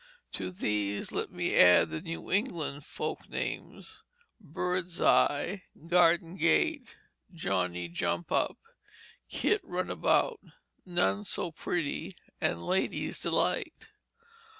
To these let me add the New England folk names bird's eye, garden gate, johnny jump up, kit run about, none so pretty, and ladies' delight.